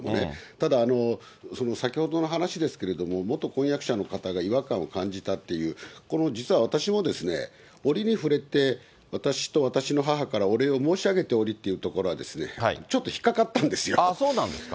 ただ、先ほどの話ですけれども、元婚約者の方が違和感を感じたという、この、実は私も、折に触れて、私と私の母からお礼を申し上げておりっていうところは、そうなんですか。